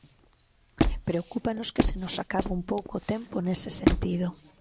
Preocúpanos que se nos acabe un pouco o tempo nese sentido.